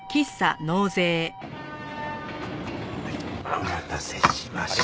お待たせしました。